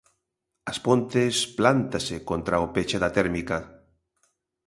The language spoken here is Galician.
As Pontes plántase contra o peche da térmica.